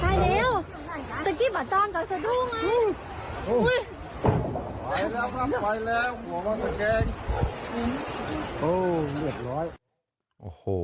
ไปแล้วไปแล้วไปแล้วไปแล้วหัววางสะแกงโอ้ยหมดร้อยโอ้โห